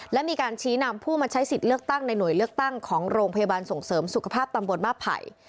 และมีการชี้นำผู้มาใช้สิทธิ์เลือกตั้งในหน่วยเลือกตั้งของโรงพยาบาลส่งเสริมสุขภาพตำบลมาไผ่